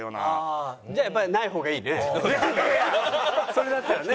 それだったらね。